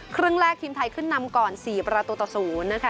ครึ่งแรกทีมไทยขึ้นนำก่อน๔ประตูต่อ๐นะคะ